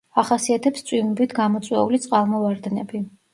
ახასიათებს წვიმებით გამოწვეული წყალმოვარდნები.